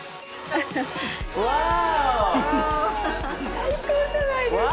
最高じゃないですか。